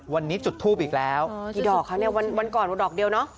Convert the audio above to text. วันนี้จุดทูบอีกแล้วอ๋อกี่ดอกครับเนี่ยวันวันก่อนดอกเดียวเนอะ